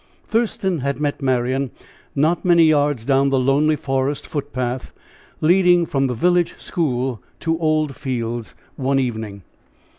Thurston had met Marian not many yards down the lonely forest foot path, leading from the village school to Old Fields one evening.